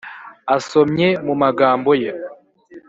asomye mu magambo ye;